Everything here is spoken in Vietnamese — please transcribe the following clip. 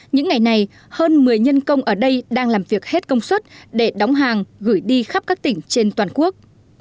những ngày này hơn một mươi nhân công ở đây đang làm việc hết công suất để đóng hàng gửi đi khắp các tỉnh trên toàn quốc